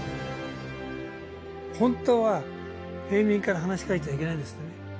ホントは平民から話しかけちゃいけないんですってね